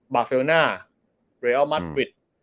เบอร์เฟลน่าเรอร์มาธริป